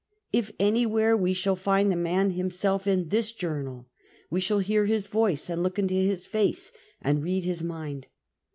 If anywhere we shall find the man himself in this jouimal, we shall hear his voice and look into his face and read his mind.